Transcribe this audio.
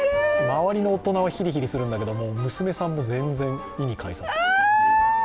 周りの大人はヒリヒリするんだけども、娘さん、もう全然、意に介さず。